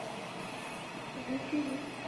韦尔西尼。